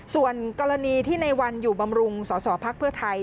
ส่วนกรณีที่ในวันอยู่บำรุงสสพักเพื่อไทย